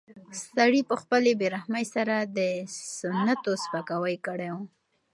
سړي په خپلې بې رحمۍ سره د سنتو سپکاوی کړی و.